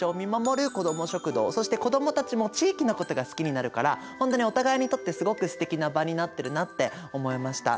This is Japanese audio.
そして子どもたちも地域のことが好きになるから本当にお互いにとってすごくすてきな場になってるなって思いました。